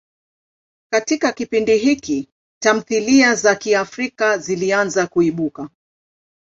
Katika kipindi hiki, tamthilia za Kiafrika zilianza kuibuka.